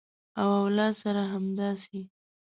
او اولاد سره همداسې